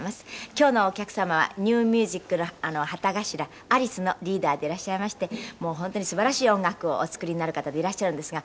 今日のお客様はニューミュージックの旗頭アリスのリーダーでいらっしゃいまして本当に素晴らしい音楽をお作りになる方でいらっしゃるんですが。